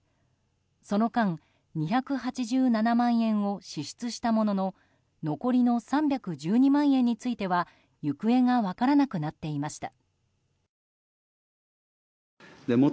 その間２８７万円を支出したものの残りの３１２万円については行方が分からなくなっていました。